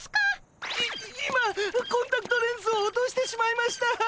い今コンタクトレンズを落としてしまいました！